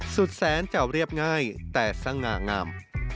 สุดแสนจะเรียบง่ายแต่สง่างาม